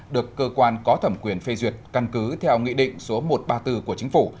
được cơ quan có thẩm quyền phê duyệt căn cứ theo nghị định số một trăm ba mươi bốn của chính phủ